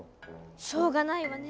しょうがないわね。